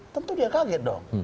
tentu dia kaget dong